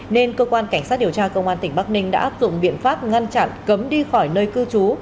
nên cơ quan cảnh sát điều tra công an tỉnh bắc ninh đã áp dụng biện pháp ngăn chặn cấm đi khỏi nơi cư trú